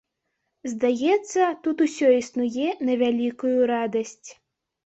Здаецца, тут усё існуе на вялікую радасць.